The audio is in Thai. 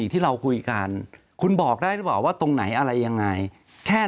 ที่เราคุยกันคุณบอกได้หรือเปล่าว่าตรงไหนอะไรยังไงแค่